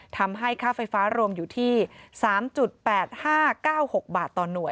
ค่าไฟฟ้ารวมอยู่ที่๓๘๕๙๖บาทต่อหน่วย